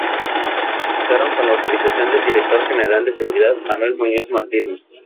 Contaron con la autorización del director general de Seguridad, Manuel Muñoz Martínez.